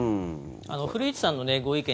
古市さんのご意見